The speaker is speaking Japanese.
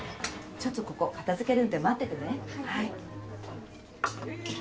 ちょっとここ片付けるんで待っててね。